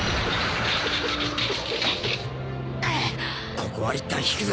ここはいったん引くぞ。